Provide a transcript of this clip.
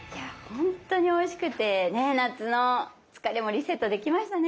本当においしくてね夏の疲れもリセットできましたね。